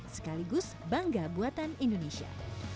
sekaligus bangga buatan indonesia